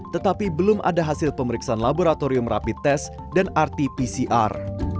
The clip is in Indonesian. tetapi belum ada hasil pemeriksaan laboratorium rapid test dan rt pcr